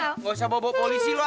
gak usah bobo polisi lo ah